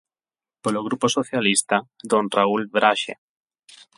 Polo Grupo Socialista, don Raúl Braxe.